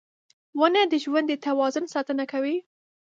• ونه د ژوند د توازن ساتنه کوي.